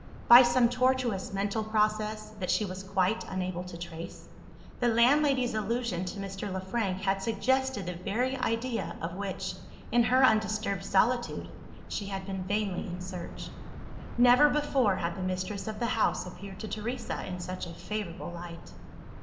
By some tortuous mental process, that she was quite unable to trace, the landlady's allusion to Mr. Le Frank had suggested the very idea of which, in her undisturbed solitude, she had been vainly in search. Never before, had the mistress of the house appeared to Teresa in such a favourable light.